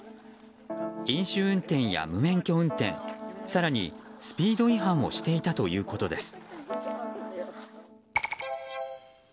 飲酒運転や無免許運転更にスピード違反をしていたということです。